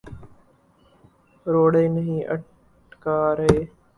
روڑے نہیں اٹکا رہے۔